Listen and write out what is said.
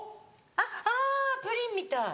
あっあぁプリンみたい。